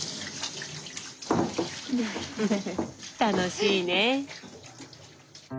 楽しいね！